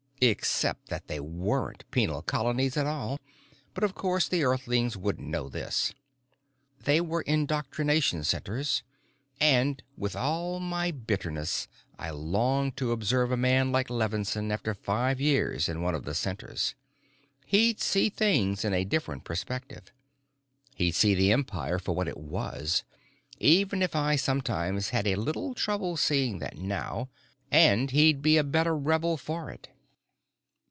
Except that they weren't penal colonies at all, but, of course, the Earthlings wouldn't know this. They were indoctrination centers, and, with all my bitterness, I still longed to observe a man like Levinsohn after five years in one of the centers. He'd see things in a different perspective. He'd see the Empire for what it was even if I sometimes had a little trouble seeing that now and he'd be a better rebel for it.